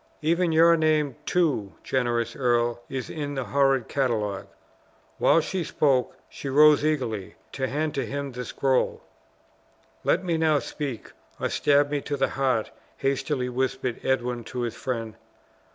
Even your name, too generous earl, is in the horrid catalogue." While she spoke, she rose eagerly, to hand to him the scroll. "Let me now speak, or stab me to the heart!" hastily whispered Edwin to his friend.